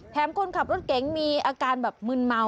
คนขับรถเก๋งมีอาการแบบมึนเมา